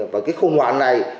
và cái khủng hoảng này